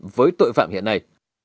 với tội phạm hiện nay